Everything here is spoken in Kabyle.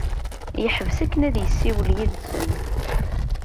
Yeḥbes akken ad yessiwel yid-sen.